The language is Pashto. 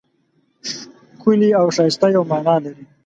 ښکلی او ښایسته یوه مانا لري.